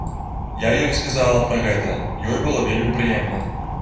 Я ёй сказала пра гэта, ёй было вельмі прыемна.